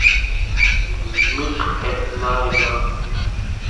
Miq etmayman!